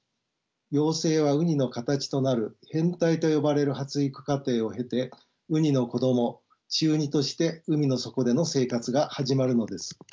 幼生はウニの形となる変態と呼ばれる発育過程を経てウニの子供稚ウニとして海の底での生活が始まるのです。